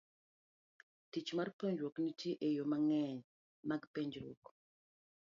Tich mar penjruok .nitie e yore mang'eny mag penjruok.